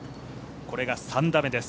これが３打目です。